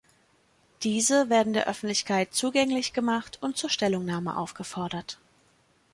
Diese werden der Öffentlichkeit zugänglich gemacht und zur Stellungnahme aufgefordert.